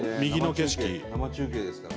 生中継ですから。